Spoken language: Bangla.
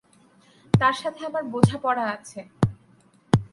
তার সাথে আমার বোঝাপড়া আছে।